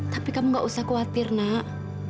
tapi kamu gak usah khawatir nak